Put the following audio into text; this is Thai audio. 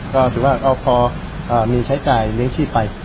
ก็ถือว่าพอมีใช้จ่ายเลี้ยงชีพไป